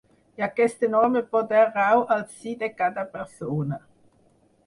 I aquest enorme poder rau al si de cada persona.